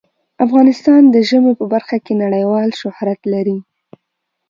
افغانستان د ژمی په برخه کې نړیوال شهرت لري.